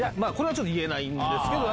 ちょっと言えないんですけど